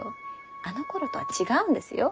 あのころとは違うんですよ。